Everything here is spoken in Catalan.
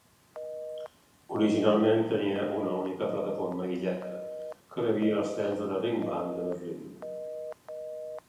Originalment tenia una única plataforma illenca, que rebia els trens de la Ringbahn de Berlín.